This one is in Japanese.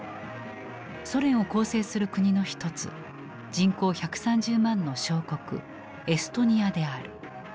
ソ連を構成する国の一つ人口１３０万の小国エストニアである。